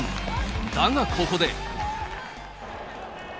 だがここで。